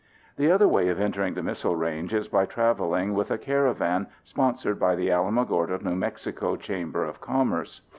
The other way of entering the missile range is by travelling with a caravan sponsored by the Alamogordo (N.M.) Chamber of Commerce.